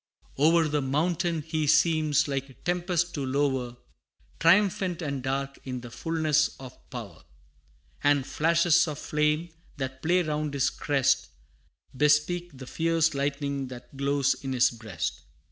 IV. O'er the mountain he seems like a tempest to lower, Triumphant and dark in the fulness of power; And flashes of flame, that play round his crest, Bespeak the fierce lightning that glows in his breast.